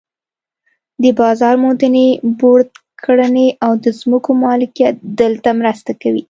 د بازار موندنې بورډ کړنې او د ځمکو مالکیت دلته مرسته کوي.